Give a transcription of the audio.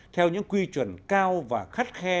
theo những quy chuẩn cao và khắt khe